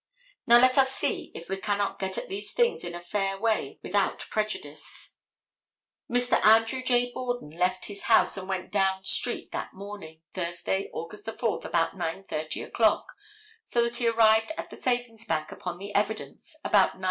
Now, let us see if we cannot get at these things in a fair way without prejudice. Mr. Andrew J. Borden left his house and went down street that morning, Thursday, August 4, about 9:30 o'clock, so that he arrived at the Savings Bank, upon the evidence, about 9:30.